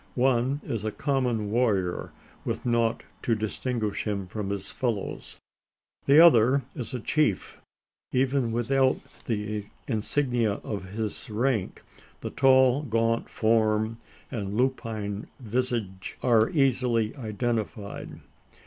One is a common warrior, with nought to distinguish him from his fellows. The other is a chief. Even without the insignia of his rank, the tall gaunt form and lupine visage are easily identified.